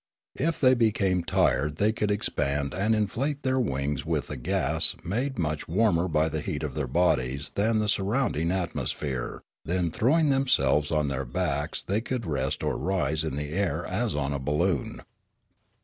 If they became tired they could expand and inflate their wings with a gas made much warmer by the heat of their bodies than the surround ing atmosphere ; then throwing themselves on their backs they could rest or rise in the air as on a balloon.